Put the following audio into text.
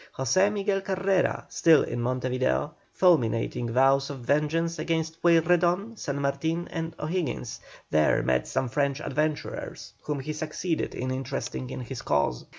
José Miguel Carrera, still in Monte Video, fulminating vows of vengeance against Pueyrredon, San Martin, and O'Higgins, there met some French adventurers whom he succeeded in interesting in his cause.